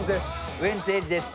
ウエンツ瑛士です